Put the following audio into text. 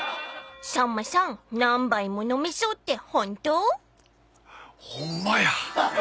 ［さんまさん何杯も飲めそうってホント？］